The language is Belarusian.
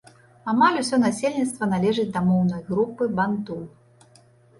Амаль усё насельніцтва належыць да моўнай групы банту.